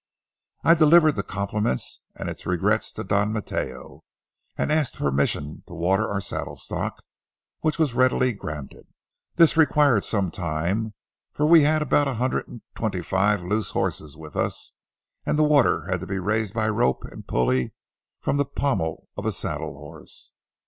I delivered the compliments and regrets to Don Mateo, and asked the permission to water our saddle stock, which was readily granted. This required some time, for we had about a hundred and twenty five loose horses with us, and the water had to be raised by rope and pulley from the pommel of a saddle horse.